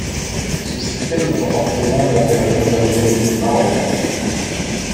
Ce système est encore présent dans des régions de l’Algérie ou du Maroc.